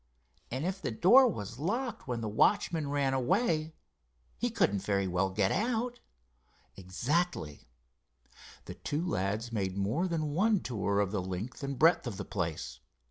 "And if the door was locked when the watchman ran away he couldn't very well get out." "Exactly." The two lads made more than one tour of the length and breadth of the place.